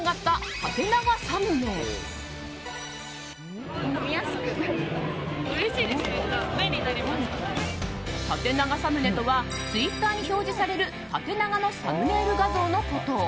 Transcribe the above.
縦長サムネとはツイッターに表示される縦長のサムネイル画像のこと。